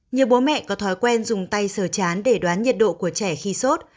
nhiều bố mẹ có thói quen dùng tay sờ chán để đoán nhiệt độ của trẻ khi sốt